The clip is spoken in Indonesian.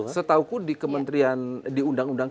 setauku di undang undang